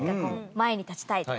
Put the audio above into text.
前に立ちたいとか。